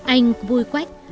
anh vui quách